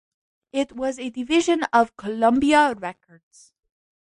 It was a division of Columbia Records.